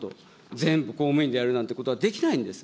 全部公務員でやるなんてことは、できないんです。